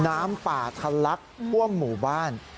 น้ำป่าทะลักท่วมหมู่บ้าน